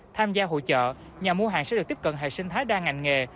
tham gia hội chợ nhà mua hàng sẽ được tiếp cận hệ sinh thái đa ngành nghề